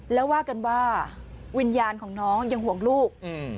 แล้วว่ากันว่าวิญญาณของน้องยังห่วงลูกอืม